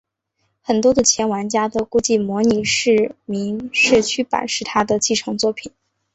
很多的前玩家都估计模拟市民社区版是它的继承作品。